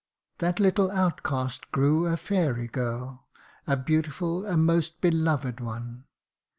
97 " That little outcast grew a fairy girl, A beautiful, a most beloved one.